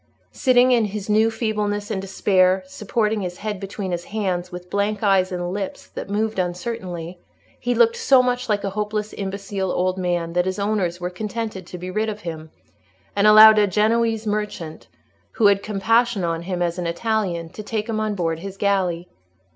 Sitting in his new feebleness and despair, supporting his head between his hands, with blank eyes and lips that moved uncertainly, he looked so much like a hopelessly imbecile old man, that his owners were contented to be rid of him, and allowed a Genoese merchant, who had compassion on him as an Italian, to take him on board his galley.